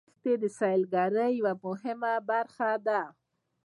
دښتې د سیلګرۍ یوه مهمه برخه ده.